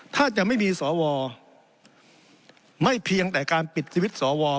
ถ้าจะไม่มีสวไม่เพียงแต่การปิดสวิตช์สว